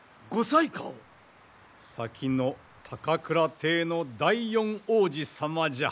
先の高倉帝の第四皇子様じゃ。